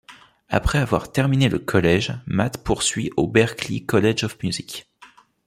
Après avoir terminé le collège, Matt poursuit au Berklee College of Music.